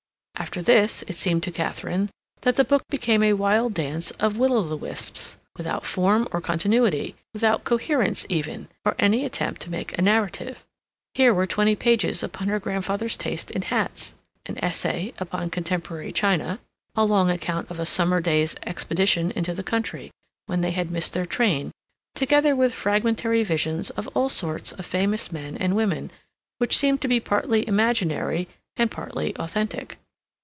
After this, it seemed to Katharine that the book became a wild dance of will o' the wisps, without form or continuity, without coherence even, or any attempt to make a narrative. Here were twenty pages upon her grandfather's taste in hats, an essay upon contemporary china, a long account of a summer day's expedition into the country, when they had missed their train, together with fragmentary visions of all sorts of famous men and women, which seemed to be partly imaginary and partly authentic.